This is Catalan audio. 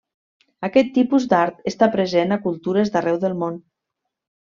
Aquest tipus d'art està present a cultures d'arreu del món.